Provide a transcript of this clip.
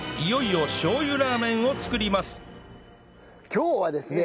今日はですね